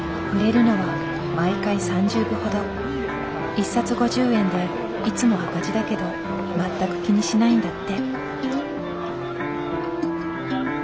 一冊５０円でいつも赤字だけど全く気にしないんだって。